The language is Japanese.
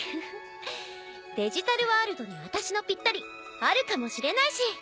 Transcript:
デジタルワールドに私のぴったりあるかもしれないし。